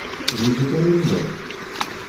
D imdukal i llan?